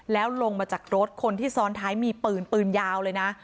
แล้วลงมาจากรถคนที่ซ้อนท้ายมีปืนปืนยาวเลยนะ